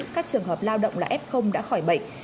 các trường hợp lao động là f đã khỏi bệnh